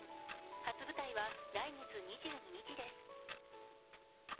初舞台は来月２２日です。